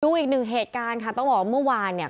อีกหนึ่งเหตุการณ์ค่ะต้องบอกว่าเมื่อวานเนี่ย